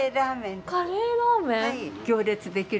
カレーラーメンです。